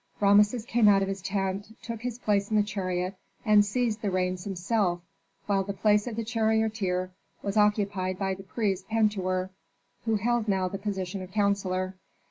Rameses came out of his tent, took his place in the chariot, and seized the reins himself, while the place of the charioteer was occupied by the priest Pentuer, who held now the position of counsellor.